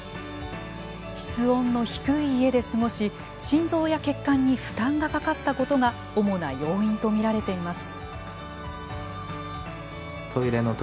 室温の低い家で過ごし、心臓や血管に負担がかかったことが主な要因とみられています。